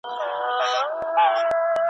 ما خو جهاني ستا په غزل کي اورېدلي وه .